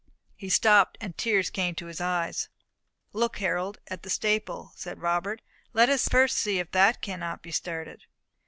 He stopped, and tears came into his eyes. "Look, Harold, at the staple," said Robert. "Let us see if that cannot be started."